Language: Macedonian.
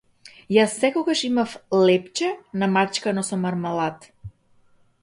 Јас секогаш имав лепче намачкано со мармалад.